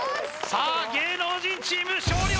さあ芸能人チーム勝利